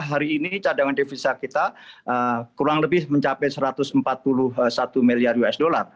hari ini cadangan devisa kita kurang lebih mencapai satu ratus empat puluh satu miliar usd